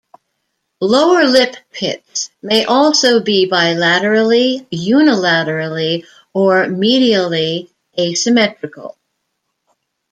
Lower lip pits may also be bilaterally, unilaterally, or medially asymmetrical.